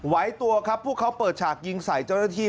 ไว้ตัวครับพวกเขาเปิดฉากยิงใส่เจ้าหน้าที่